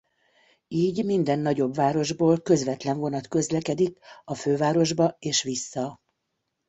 Így minden nagyobb városból közvetlen vonat közlekedik a fővárosba és vissza.